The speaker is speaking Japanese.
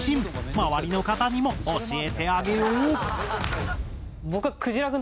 周りの方にも教えてあげよう！